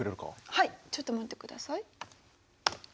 はいちょっと待ってください。